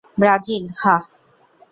Brazil, হাহ?